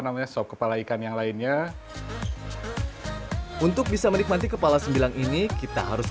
namanya sop kepala ikan yang lainnya untuk bisa menikmati kepala sembilan ini kita harus